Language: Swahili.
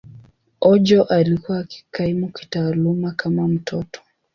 Ojo alikuwa akikaimu kitaaluma kama mtoto.